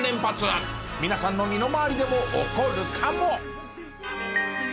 皆さんの身の回りでも起こるかも？